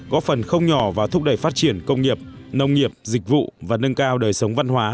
góp phần không nhỏ vào thúc đẩy phát triển công nghiệp nông nghiệp dịch vụ và nâng cao đời sống văn hóa